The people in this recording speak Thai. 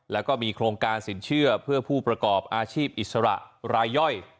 แล้วก็มีโครงการสินเชื่อเพื่อผู้ประกอบอาชีพอิสระรายย่อย